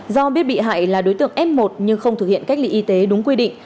do biết bị hại là đối tượng f một nhưng không thực hiện cách ly y tế đúng quy định